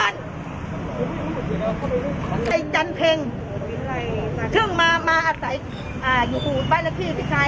ในจันทร์เพลงเพิ่งมามาอาศัยอ่าอยู่บ้านละพี่พี่ชาย